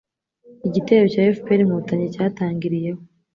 igitero cya FPR-Inkotanyi cyatangiriyeho